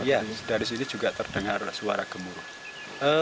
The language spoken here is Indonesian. iya dari sini juga terdengar suara gemuruh